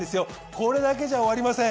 これだけじゃ終わりません。